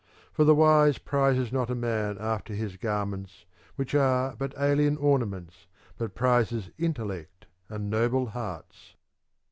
For the wise prizes not a man after his gar ments which are but alien ornaments, but prizes intellect and noble hearts.